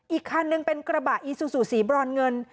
อีกคันหนึ่งเป็นกระบะอีซูซูสีบรอนเงิน